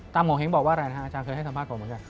ตามของเห็นบอกว่าอาจารย์เคยให้สัมภาษณ์บอกมากัน